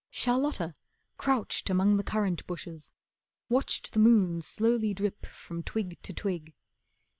Charlotta, crouched among the currant bushes, Watched the moon slowly dip from twig to twig.